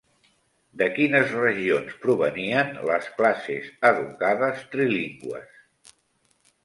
De quines regions provenien les classes educades trilingües?